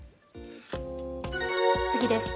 次です。